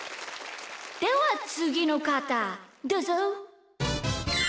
ではつぎのかたどうぞ。